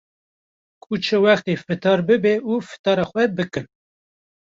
ku çi wextê fitar bibe û fitara xwe bikin.